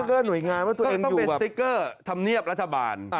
สติ๊กเกอร์หน่วยงานว่าตัวเองอยู่แบบก็ต้องเป็นสติ๊กเกอร์ทำเนียบรัฐบาล